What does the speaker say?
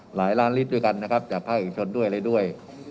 หลายล้านลิตรด้วยกันนะครับจากภาคเอกชนด้วยอะไรด้วย